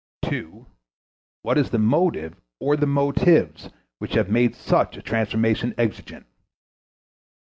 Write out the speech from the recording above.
(2) What is the motive or the motives which have made such transformation exigent?